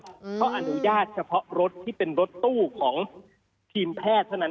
เขาอนุญาตเฉพาะรถที่เป็นรถตู้ของทีมแพทย์เท่านั้น